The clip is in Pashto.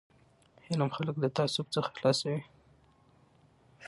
علم خلک له تعصب څخه خلاصوي.